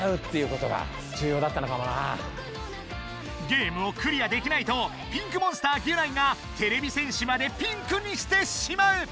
ゲームをクリアできないとピンクモンスターギュナイがてれび戦士までピンクにしてしまう！